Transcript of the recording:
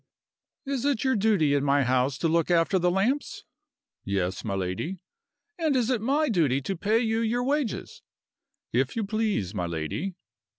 "Is it your duty in my house to look after the lamps?" "Yes, my lady." "And is it my duty to pay you your wages?" "If you please, my lady."